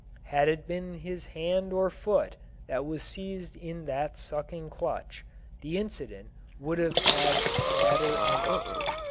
Had it been his hand or foot that was seized in that sucking clutch, the incident would have had a sadder ending.